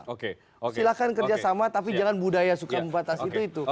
silahkan kerjasama tapi jangan budaya suka membatasi itu